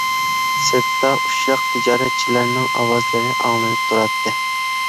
سىرتتا ئۇششاق تىجارەتچىلەرنىڭ ئاۋازلىرى ئاڭلىنىپ تۇراتتى.